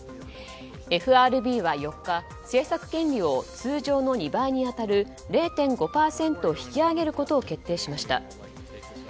ＦＲＢは４日、政策金利を通常の２倍に当たる０．５％引き上げることを決定しました。